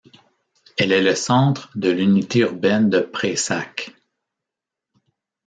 Elle est le centre de l'unité urbaine de Prayssac.